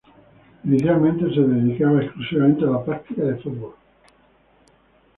Inicialmente se dedicaba exclusivamente a la práctica del fútbol.